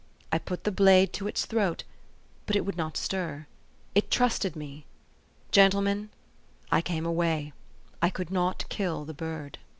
I put the blade to its throat; but it would not stir. It trusted me. Gentlemen, I came away I could not kill the bird." THE STORY OP AVIS.